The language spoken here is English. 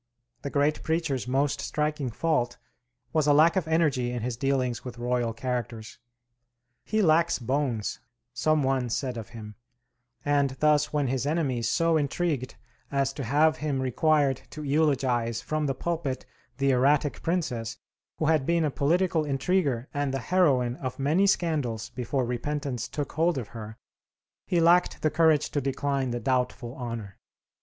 The great preacher's most striking fault was a lack of energy in his dealings with royal characters. "He lacks bones," some one said of him: and thus when his enemies so intrigued as to have him required to eulogize from the pulpit the erratic princess, who had been a political intriguer and the heroine of many scandals before repentance took hold of her, he lacked the courage to decline the doubtful honor.